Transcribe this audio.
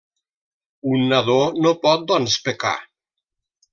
Un nadó no pot, doncs, pecar.